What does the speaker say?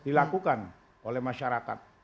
dilakukan oleh masyarakat